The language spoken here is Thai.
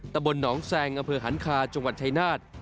ตำบลหนองแซงอำเภอหันคาจังหวัดชายนาฏ